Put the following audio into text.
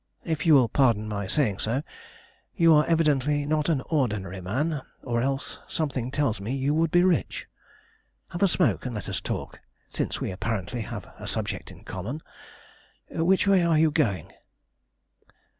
If you will pardon my saying so, you are evidently not an ordinary man, or else, something tells me, you would be rich. Have a smoke and let us talk, since we apparently have a subject in common. Which way are you going?"